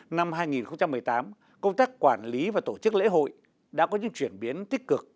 năm hai nghìn một mươi tám công tác quản lý và tổ chức lễ hội đã có những chuyển biến tích cực